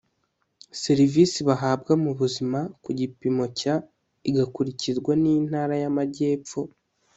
serivisi bahabwa mu buzima ku gipimo cya igakurikirwa n intara y Amajyepfo